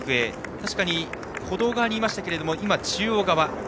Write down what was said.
確かに歩道側にいましたが今は中央側。